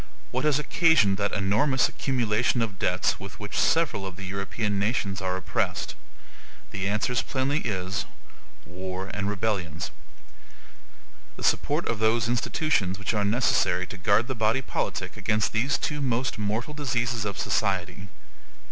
What has occasioned that enormous accumulation of debts with which several of the European nations are oppressed? The answers plainly is, wars and rebellions; the support of those institutions which are necessary to guard the body politic against these two most mortal diseases of society.